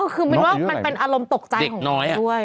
คือมินว่ามันเป็นอารมณ์ตกใจของน้อยด้วย